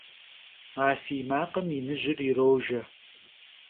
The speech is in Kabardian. A fiy makhım yinıjır yirojje.